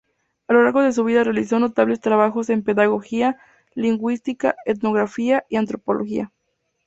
Al largo de su vida realizó notables trabajos en pedagogía, lingüística, etnografía y antropología.